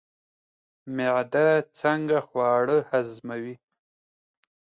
معده څنګه خواړه هضموي؟